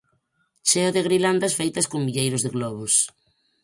Cheo de grilandas feitas con milleiros de globos.